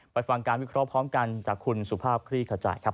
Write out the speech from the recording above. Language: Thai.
ฟังการวิเคราะห์พร้อมกันจากคุณสุภาพคลี่ขจายครับ